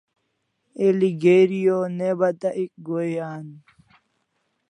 El'i geri o ne bata ek goi'n an